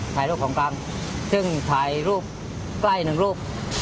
ถ่ายรูปของกลางซึ่งถ่ายรูปใกล้หนึ่งรูป